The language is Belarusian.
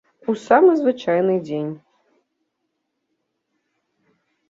У самы звычайны дзень.